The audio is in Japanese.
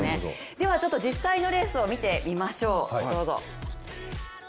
では実際のレースを見てみましょう。